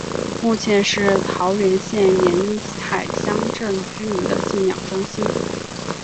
目前是桃园县沿海乡镇居民的信仰中心之一。